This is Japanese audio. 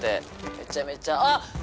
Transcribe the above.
めちゃめちゃあっ